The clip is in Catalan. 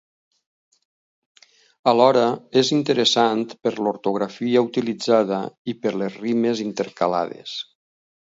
Alhora, és interessant per l'ortografia utilitzada i per les rimes intercalades.